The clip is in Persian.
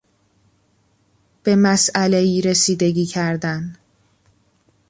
به مسئلهای رسیدگی کردن